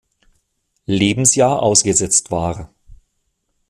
Lebensjahr ausgesetzt war.